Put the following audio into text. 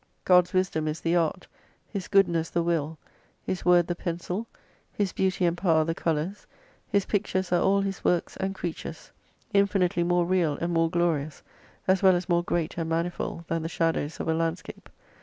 God's 322 "Wisdom is the art, His Goodness the will, His "Word the pencil, His Beauty and Power the colours, His Pictures are all His Works and Creatures. Infinitely more real and more glorious, as well as more great and manifold than the shadows of a landscape.